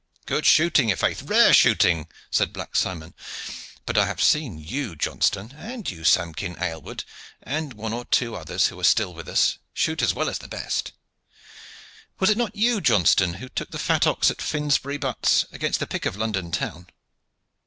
"Good shooting, i' faith rare shooting!" said Black Simon. "But I have seen you, Johnston, and you, Samkin Aylward, and one or two others who are still with us, shoot as well as the best. Was it not you, Johnston, who took the fat ox at Finsbury butts against the pick of London town?"